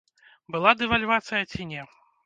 Была дэвальвацыя ці не?